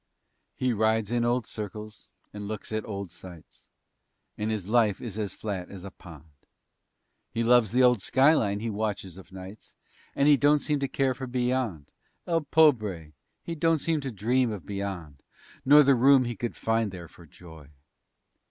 He rides in old circles and looks at old sights And his life is as flat as a pond. He loves the old skyline he watches of nights And he don't seem to care for beyond. El pobre! he don't seem to dream of beyond, Nor the room he could find, there, for joy.